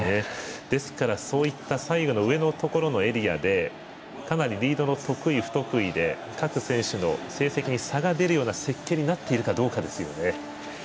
ですから、そういった左右の上のところのエリアでかなりリードの得意不得意で各選手の成績に差が出るような設計になっているかどうかですよね。